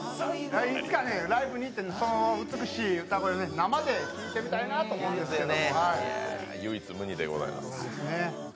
いつかライブに行ってその美しい歌声を生で聴いてみたいなと思うんですよね。